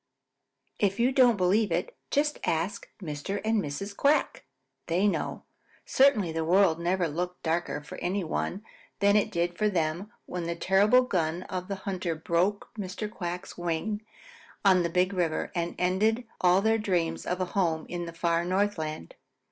If you don't believe it, just ask Mr. and Mrs. Quack. They know. Certainly the world never looked darker for any one than it did for them when the terrible gun of a hunter broke Mr. Quack's wing on the Big River and ended all their dreams of a home in the far Northland.